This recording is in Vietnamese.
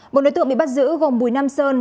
một đối tượng bị bắt giữ gồm bùi nam sơn